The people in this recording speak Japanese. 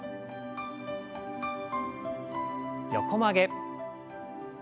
横曲げ。